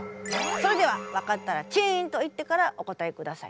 それでは分かったらチンと言ってからお答えください。